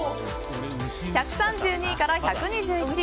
１３２位から１２１位。